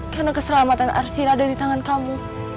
karena keselamatan arsila ada di tangan kamu